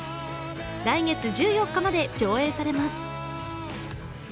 来月１４日まで上映されます。